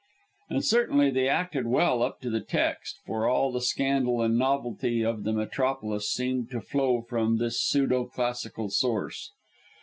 And certainly they acted well up to the text, for all the scandal and novelty of the metropolis seemed to flow from this pseudo classical source.